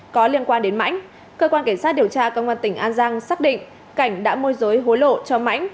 có liên quan đến mãnh cơ quan cảnh sát điều tra công an tỉnh an giang xác định cảnh đã môi giới hối lộ cho mãnh